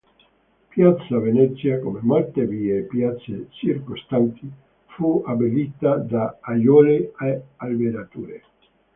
Piazza Venezia, come molte vie e piazze circostanti, fu abbellita da aiuole e alberature.